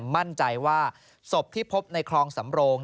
มั่นใจว่าศพที่พบในคลองสำโรง